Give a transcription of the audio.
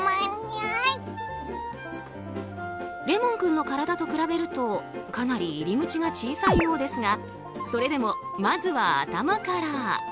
レモン君の体と比べるとかなり入り口が小さいようですがそれでも、まずは頭から。